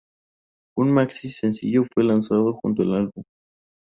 Un Maxi sencillo fue lanzado junto con el álbum.